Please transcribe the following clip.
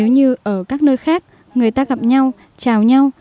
nếu như ở các nơi khác người ta gặp nhau chào nhau